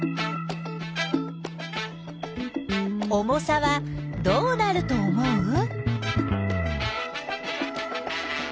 重さはどうなると思う？